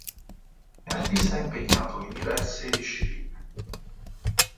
È un artista impegnato in diverse discipline.